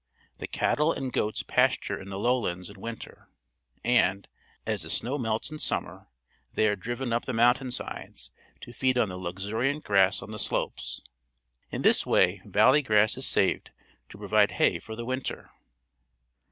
The cattle and goats pasture in the lowlands in winter, and, as the snow melts in sununer, they are driven up the mountain sides to feed on the luxuriant grass on the slopes. In this way valley grass is saved to provide hay for the winter.